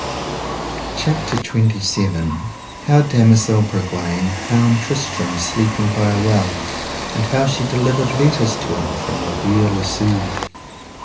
CHAPTER XXVI. How damosel Bragwaine found Tristram sleeping by a well, and how she delivered letters to him from La Beale Isoud.